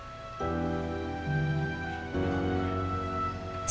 mba juga pernah mengatakan itu